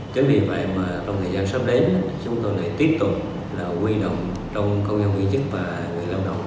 chính vì vậy trong thời gian sắp đến chúng tôi lại tiếp tục quy đồng trong công nhân viên chức và người lao động